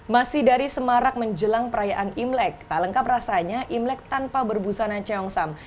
masih dari semarak menjelang perayaan imlek tak lengkap rasanya imlek tanpa berbusana ceongsam